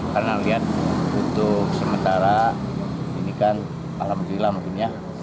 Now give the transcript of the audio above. karena lihat untuk sementara ini kan alhamdulillah makanya